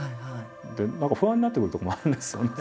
で何か不安になってくるとこもあるんですよね。